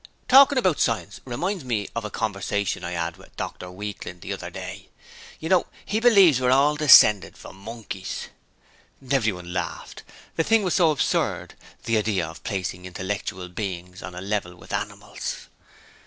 'Talking about science reminds me of a conversation I 'ad with Dr Weakling the other day. You know, he believes we're all descended from monkeys.' Everyone laughed; the thing was so absurd: the idea of placing intellectual beings on a level with animals!